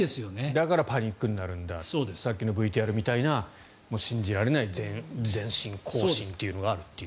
だからパニックになるんださっきのＶＴＲみたいな信じられない前進、後進というのがあると。